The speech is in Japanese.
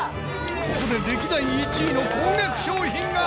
ここで歴代１位の高額商品が！